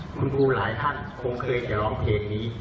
คุณครูหลายท่านคงเคยจะร้องเพลงนี้